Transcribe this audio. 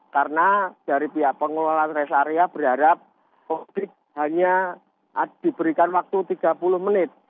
karena dari pihak pengelolaan rest area berharap pemudik hanya diberikan waktu tiga puluh menit